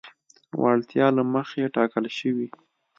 وړتیا له مخې ټاکل شوي.